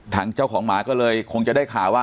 ทางเจ้าของหมาก็เลยคงจะได้ข่าวว่า